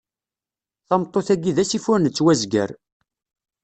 Tameṭṭut-agi d asif ur nettwazgar.